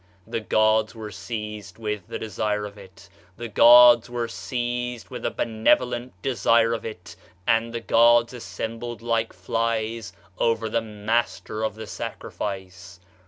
The gods were seized with the desire of it the gods were seized with a benevolent desire of it; and the gods assembled like flies above the master of the sacrifice.